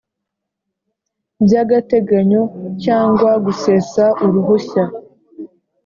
By agateganyo cyangwa gusesa uruhushya